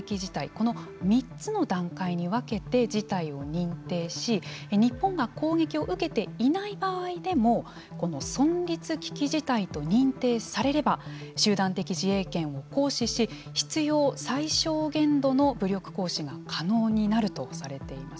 この３つの段階に分けて事態を認定し日本が攻撃を受けていない場合でもこの存立危機事態と認定されれば集団的自衛権を行使し必要最小限度の武力行使が可能になるとされています。